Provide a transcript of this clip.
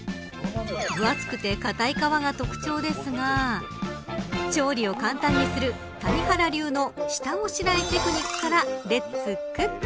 分厚くて硬い皮が特徴ですが調理を簡単にする谷原流の下ごしらえテクニックからレッツクック。